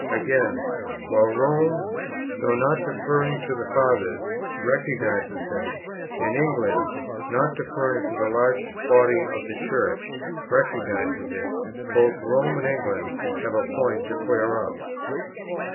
Again, "While Rome, though not deferring to the Fathers, recognizes them, and England, not deferring to the large body of the Church, recognizes it, both Rome and England have a point to clear up."